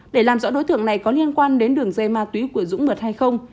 để làm rõ đối tượng này có liên quan đến đường dây ma túy của dũng mật hay không